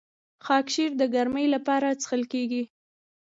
خاکشیر د ګرمۍ لپاره څښل کیږي.